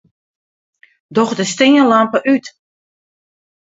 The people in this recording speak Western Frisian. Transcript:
Doch de stânlampe út.